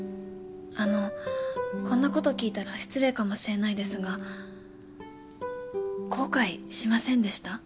あのこんなこと聞いたら失礼かもしれないですが後悔しませんでした？